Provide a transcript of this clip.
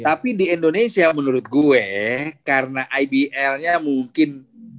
tapi di indonesia menurut gue karena ibl nya mungkin